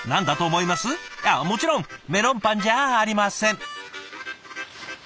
いやもちろんメロンパンじゃありません。